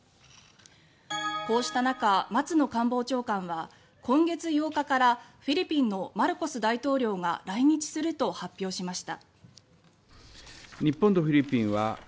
こうした中、松野官房長官は今月８日からフィリピンのマルコス大統領が来日すると発表しました。